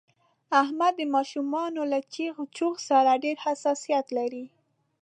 احمد د ماشومانو له چغ چوغ سره ډېر حساسیت لري.